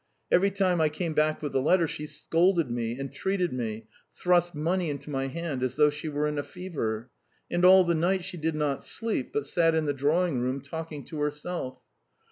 Every time I came back with the letter she scolded me, entreated me, thrust money into my hand as though she were in a fever. And all the night she did not sleep, but sat in the drawing room, talking to herself.